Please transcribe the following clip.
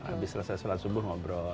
habis selesai sholat subuh ngobrol